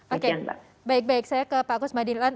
oke baik baik saya ke pak kusmadiran